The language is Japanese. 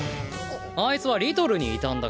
あいつはリトルにいたんだから。